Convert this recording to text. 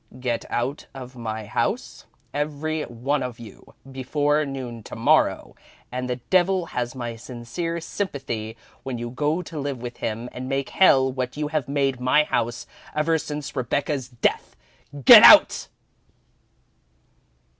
"Get out of my house, every one of you, before noon to morrow, and the devil has my sincere sympathy when you go to live with him and make hell what you have made my house ever since Rebecca's death. GET OUT!!!